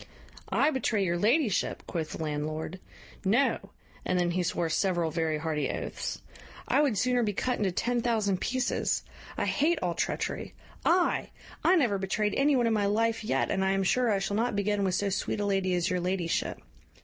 "I betray your ladyship!" quoth the landlord; "no (and then he swore several very hearty oaths); I would sooner be cut into ten thousand pieces. I hate all treachery. I! I never betrayed any one in my life yet, and I am sure I shall not begin with so sweet a lady as your ladyship.